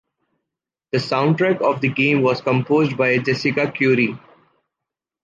The soundtrack of the game was composed by Jessica Curry.